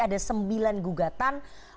ada sembilan gugatan